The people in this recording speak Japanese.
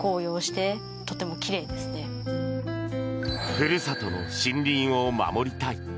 ふるさとの森林を守りたい。